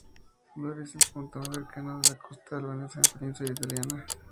Vlorë es el punto más cercano de la costa albanesa a la península italiana.